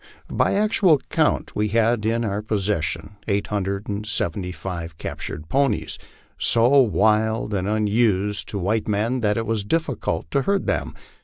By actual count we had in our possession eight hundred and seventy five captured ponies, so wild and unused to white men that it was difficult to herd them.